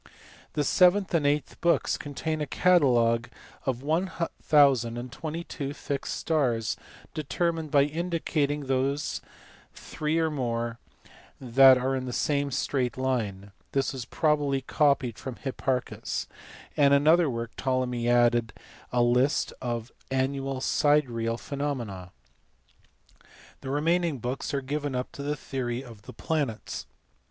The seventh and eighth books contain a catalogue of 1022 fixed stars determined by indicating those, three or more, that are in the same straight line (this was probably copied from Hipparchus) : and in another work Ptolemy added a list of annual sidereal phenomena. The remaining books are given up to the theory of the planets.